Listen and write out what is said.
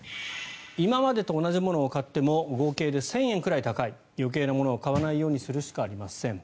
今までと同じものを買っても合計で１０００円くらい高い余計なものを買わないようにするしかありません。